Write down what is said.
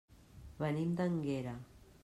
Venim d'Énguera.